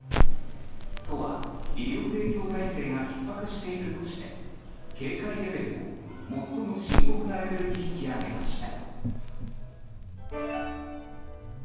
都は医療提供体制がひっ迫しているとして警戒レベルを最も深刻なレベルに引き上げました。